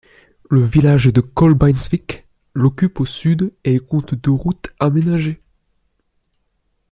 Le village de Kolbeinsvik l'occupe au sud et elle compte deux routes aménagées.